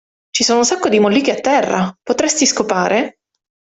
Ci sono un sacco di molliche a terra, potresti scopare?